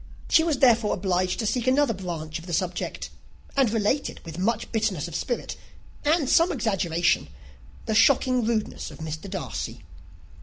She was therefore obliged to seek another branch of the subject, and related, with much bitterness of spirit, and some exaggeration, the shocking rudeness of Mr. Darcy.